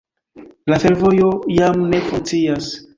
La fervojo jam ne funkcias.